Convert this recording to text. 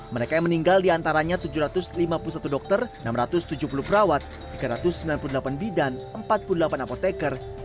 mereka yang meninggal diantaranya tujuh ratus lima puluh satu dokter enam ratus tujuh puluh perawat tiga ratus sembilan puluh delapan bidan empat puluh delapan apoteker